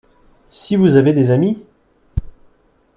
Si vous avez des amis !…